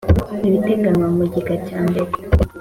Ibiteganywa mu gika cya mbere